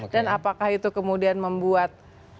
dan apakah itu kemudian membuat